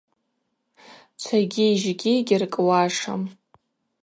Чвагьи жьгьи гьыркӏуашым.